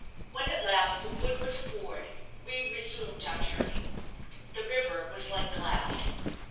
When at last the wood was aboard we resumed our journey. The river was like glass.